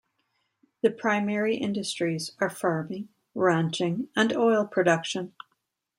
The primary industries are farming, ranching and oil production.